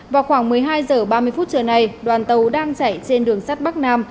vào khoảng một mươi hai h ba mươi phút trưa nay đoàn tàu đang chạy trên đường sắt bắc nam